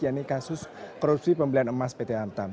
yaitu kasus korupsi pembelian emas pt antam